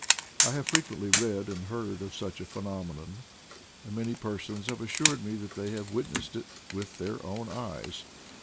I have frequently read and heard of such a phenomenon, and many persons have assured me that they have witnessed it "with their own eyes."